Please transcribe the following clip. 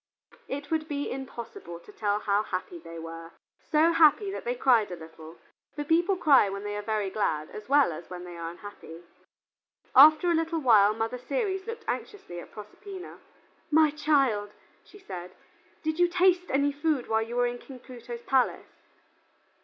It would be impossible to tell how happy they were; so happy that they cried a little, for people cry when they are very glad as well as when they are unhappy. After a little while Mother Ceres looked anxiously at Proserpina. "My child," she said, "did you taste any food while you were in King Pluto's palace?"